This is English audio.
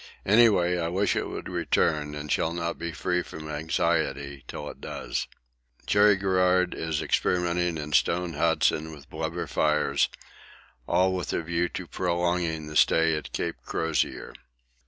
Any way I wish it would return, and shall not be free from anxiety till it does. Cherry Garrard is experimenting in stone huts and with blubber fires all with a view to prolonging the stay at Cape Crozier.